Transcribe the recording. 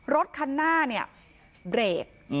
รถคันหน้าเนี่ยเบรก